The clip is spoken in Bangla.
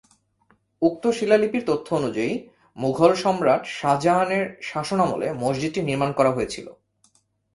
উক্ত শিলালিপির তথ্য অনুযায়ী, মুঘল সম্রাট শাহজাহানের শাসনামলে মসজিদটি নির্মাণ করা হয়েছিল।